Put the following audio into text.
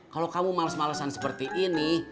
kalau kamu males malesan seperti ini